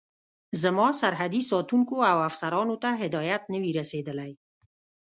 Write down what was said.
زما سرحدي ساتونکو او افسرانو ته هدایت نه وي رسېدلی.